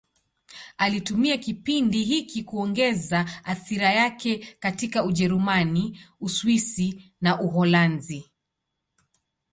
Alitumia kipindi hiki kuongeza athira yake katika Ujerumani, Uswisi na Uholanzi.